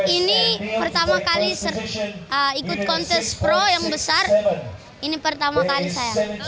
ini pertama kali ikut kontes pro yang besar ini pertama kali saya